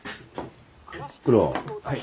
はい。